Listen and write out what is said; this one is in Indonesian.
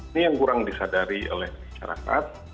ini yang kurang disadari oleh masyarakat